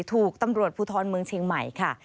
ถูกตำรวจภูทรเมืองเชียงใหม่ค่ะ